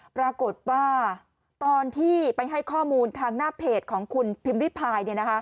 ปรากฏว่าตอนที่ไปให้ข้อมูลทางหน้าเพจของคุณพิมพ์ริพาย